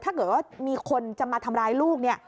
ถ้าเกิดว่ามีคนจะมาทำร้ายลูกเนี่ย